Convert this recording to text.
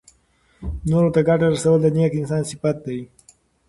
نورو ته ګټه رسول د نېک انسان صفت دی.